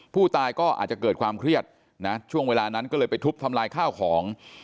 ผู้ตายก็อาจจะเกิดความเครียดนะช่วงเวลานั้นก็เลยไปทุบทำลายข้าวของ